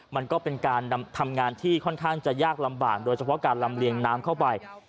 มันก็เป็นการทำงานที่ค่อนข้างจะยากลำบากโดยเฉพาะการลำเลียงน้ำเข้าไป